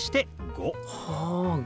５。